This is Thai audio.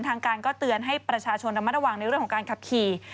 ทางการก็เตือนให้ประชาชนระมัดระวังในเรื่องของการขับขี่